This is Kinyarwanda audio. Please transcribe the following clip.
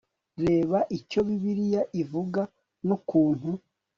reba icyo bibiliya ivuga, n'ukuntu